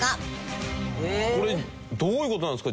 これどういう事なんですか？